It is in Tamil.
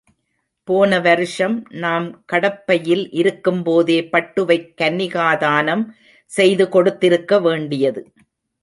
போன வருஷம் நாம் கடப்பையில் இருக்கும் போதே பட்டுவைக் கன்னிகாதானம் செய்து கொடுத்திருக்க வேண்டியது.